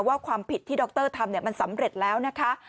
ว่าความผิดที่ดรทำมันสำเร็จแล้วนะคะ